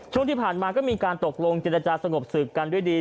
ช่วงที่ผ่านมาก็มีการตกลงเจรจาสงบสึกกันด้วยดี